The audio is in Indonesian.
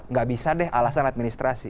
nggak bisa deh alasan administrasi